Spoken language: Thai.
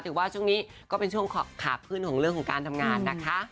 ถือว่าช่วงนี้ก็เป็นช่วงขาขึ้นของเรื่องของการทำงานนะคะ